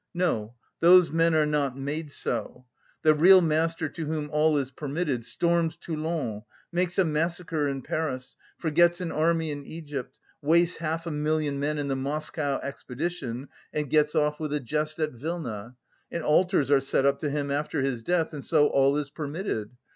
"No, those men are not made so. The real Master to whom all is permitted storms Toulon, makes a massacre in Paris, forgets an army in Egypt, wastes half a million men in the Moscow expedition and gets off with a jest at Vilna. And altars are set up to him after his death, and so all is permitted.